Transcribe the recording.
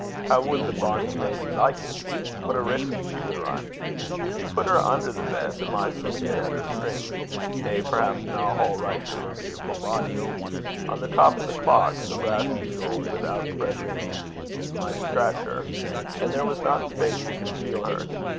How would the bonny leddy like it? What a risk she would run! If he put her under the bed, the mice would get at her strings nay, perhaps, knaw a hole right through her beautiful body. On the top of the clock, the brass eagle with outspread wings might scratch her, and there was not space to conceal her.